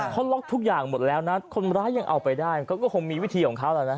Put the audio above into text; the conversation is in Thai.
เขาล็อกทุกอย่างหมดแล้วนะคนร้ายยังเอาไปได้เขาก็คงมีวิธีของเขาแล้วนะ